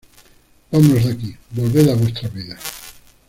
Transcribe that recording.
Vámonos de aquí. Volved a vuestras vidas.